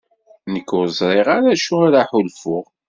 Nekk ur ẓriɣ ara acu ara ḥulfuɣ.